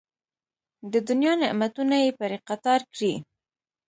د دنیا نعمتونه یې پرې قطار کړي.